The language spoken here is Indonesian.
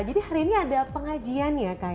jadi hari ini ada pengajian ya kak ed